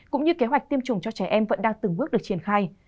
cũng như kế hoạch tiêm chủng cho trẻ em vẫn đang từng bước được triển khai